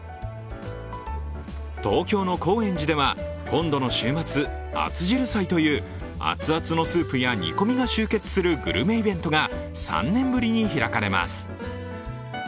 東京の高円寺では今度の週末、熱汁祭という熱々のスープや煮込みが集結するグルメイベントが３年ぶりに開かれます。